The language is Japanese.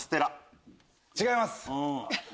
違います。